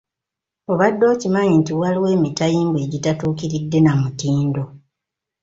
Obadde okimanyi nti waliwo emitayimbwa egitatuukiridde na mutindo